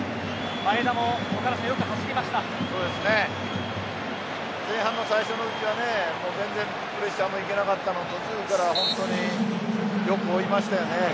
前半の最初のうちは全然プレッシャーに行けなかったのに途中から本当によく追いましたよね。